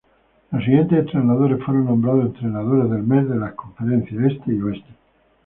Los siguientes entrenadores fueron nombrados Entrenadores del Mes de las Conferencias Este y Oeste.